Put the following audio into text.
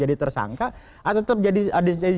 jadi tersangka atau tetep jadi